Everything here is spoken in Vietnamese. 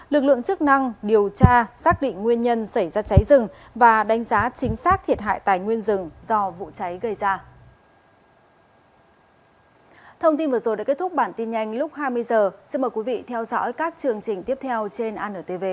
lực lượng chức năng điều tra xác định nguyên nhân xảy ra cháy rừng và đánh giá chính xác thiệt hại tài nguyên rừng do vụ cháy gây ra